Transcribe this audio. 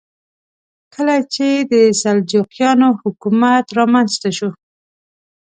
کله چې د سلجوقیانو حکومت رامنځته شو.